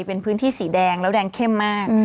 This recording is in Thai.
เป็นพื้นที่สีแดงแล้วแดงเข้มมาก